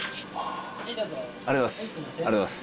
ありがとうございます。